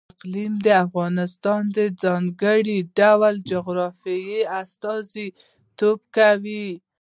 اقلیم د افغانستان د ځانګړي ډول جغرافیه استازیتوب کوي.